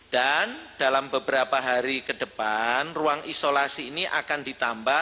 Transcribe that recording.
dan dalam beberapa hari ke depan ruang isolasi ini akan ditambah